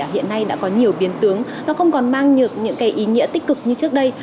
hiện nay đã có nhiều biến tướng nó không còn mang được những ý nghĩa tích cực như trước đây